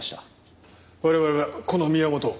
我々はこの宮本を。